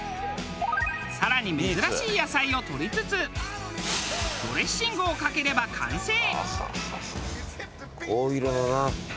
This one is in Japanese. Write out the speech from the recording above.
更に珍しい野菜を取りつつドレッシングをかければ完成。